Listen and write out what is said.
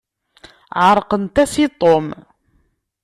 Ɛeṛqent-as i Tom.